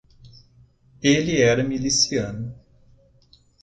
Ele era miliciano.